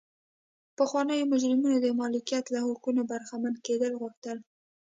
پخوانیو مجرمینو د مالکیت له حقونو برخمن کېدل غوښتل.